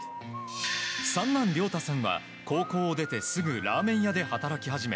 三男・涼雄さんは高校を出てすぐにラーメン屋で働き始め